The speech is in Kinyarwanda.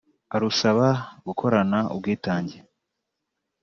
arusaba gukorana ubwitange